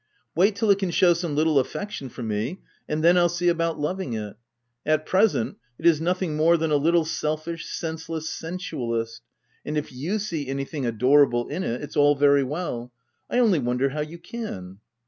Wait till it can shew some little affec tion for me, and then I'll see about loving it. At present it is nothing more than a little sel fish, senseless, sensualist, and if you see any thing adorable in it, it's all very well — I only wonder how you can."